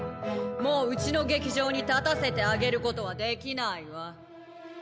もううちの劇場に立たせてあげることはできないわ。